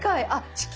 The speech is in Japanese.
地球。